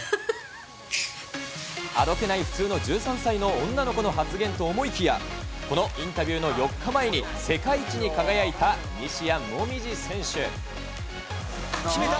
あどけない普通の１３歳の女の子の発言と思いきや、このインタビューの４日前に、決めた！